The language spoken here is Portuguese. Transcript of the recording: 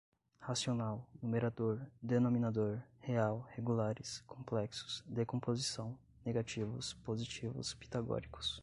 racional, numerador, denominador, real, regulares, complexos, decomposição, negativos, positivos, pitagóricos